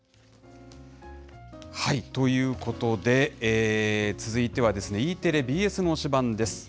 ということで、続いては、Ｅテレ、ＢＳの推しバン！です。